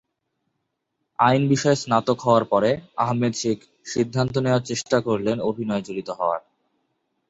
আইন বিষয়ে স্নাতক হওয়ার পরে আহমেদ-শেখ সিদ্ধান্ত নেওয়ার চেষ্টা করলেন অভিনয়ে জড়িত হওয়ার।